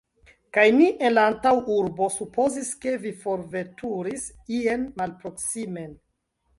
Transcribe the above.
Kaj ni en la antaŭurbo supozis, ke vi forveturis ien malproksimen!